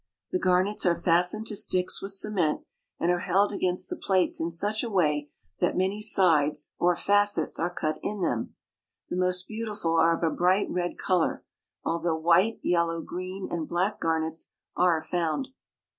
The garnets are fastened to sticks with cement, and are held against the plates in such a way that many sides or facets are cut in them. The most beautiful are of a bright red color, although white, yellow, green, and black garnets are found.